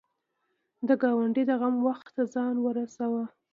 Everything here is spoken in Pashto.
د ګاونډي د غم وخت ته ځان ورسوه